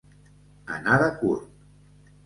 Anar de curt.